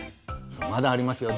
まだありますよ。